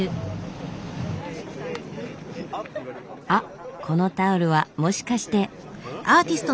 あっこのタオルはもしかして。